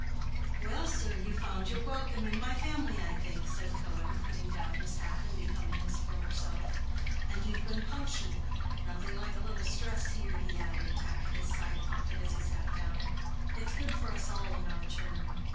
"Well, sir, you found your welcome in my family, I think," said Cohen, putting down his hat and becoming his former self. "And you've been punctual. Nothing like a little stress here," he added, tapping his side pocket as he sat down. "It's good for us all in our turn.